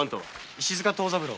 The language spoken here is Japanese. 石塚藤三郎